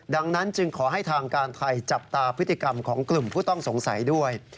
ดังนั้นจึงขอให้ทางการไทยจับตาพฤติกรรมของกลุ่มผู้ต้องสงสัยด้วย